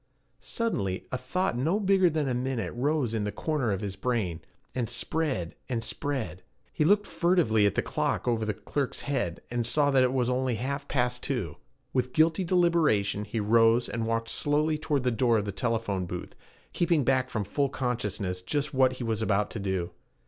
Suddenly a little thought no bigger than a minute rose in one corner of his brain, and spread, and spread. He looked furtively at the clock over the clerk's head, and saw that it was only half past two. With guilty deliberation he rose and walked slowly toward the door of the telephone booth, keeping back from full consciousness just what he was about to do.